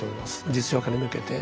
実用化に向けて。